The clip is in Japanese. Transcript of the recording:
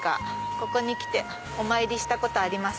ここに来てお参りしたことあります。